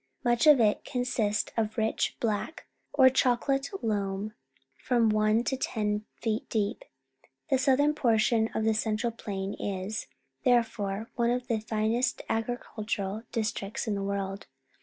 Much of it consists of rich black or chocolate loam from one to ten feet deep. The southern portion of the central plain is, there fore, one of the finest agricultural districts in the world.